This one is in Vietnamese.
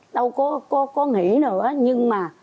đâu có nghĩ nữa nhưng mà